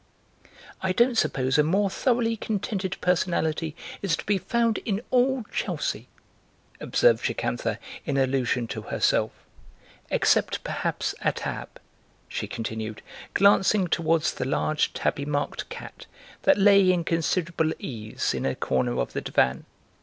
"I don't suppose a more thoroughly contented personality is to be found in all Chelsea," observed Jocantha in allusion to herself; "except perhaps Attab," she continued, glancing towards the large tabby marked cat that lay in considerable ease in a corner of the divan.